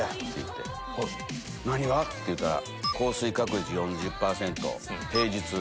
何が？って言うたら。